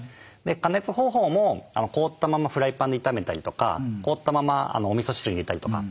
加熱方法も凍ったままフライパンで炒めたりとか凍ったままおみそ汁に入れたりとか。